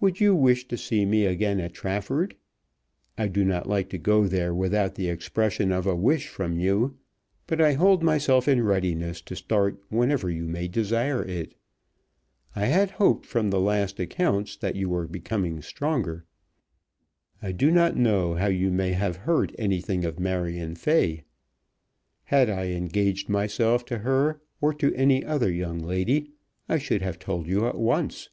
Would you wish to see me again at Trafford? I do not like to go there without the expression of a wish from you; but I hold myself in readiness to start whenever you may desire it. I had hoped from the last accounts that you were becoming stronger. I do not know how you may have heard anything of Marion Fay. Had I engaged myself to her, or to any other young lady, I should have told you at once.